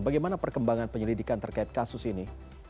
bagaimana perkembangan penyelidikan terkait kasus ini